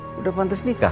sudah pantes nikah